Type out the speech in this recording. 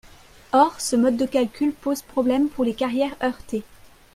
Or ce mode de calcul pose problème pour les carrières heurtées.